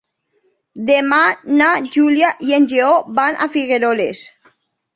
Demà na Júlia i en Lleó van a Figueroles.